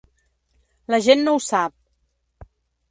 La gent no ho sap.